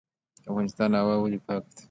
د افغانستان هوا ولې پاکه ده؟